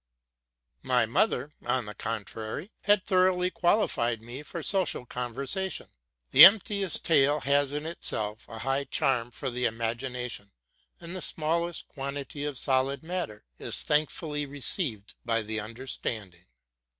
My mother, on the contrary, had thoroughly qualified me for social conver sation. The emptiest tale has in itself a high charm for the imagination, and the smailest quantity of solid matter is thankfully received by the understanding.